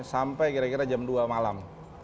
sampai kira kira jam dua malam